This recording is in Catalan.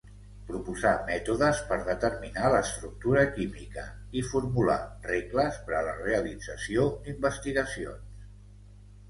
Proposà mètodes per determinar l'estructura química i formulà regles per a la realització d'investigacions.